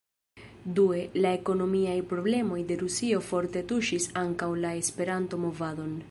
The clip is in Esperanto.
Due, la ekonomiaj problemoj de Rusio forte tuŝis ankaŭ la Esperanto-movadon.